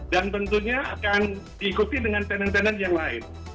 dan tentunya akan diikuti dengan tenant tenant yang lain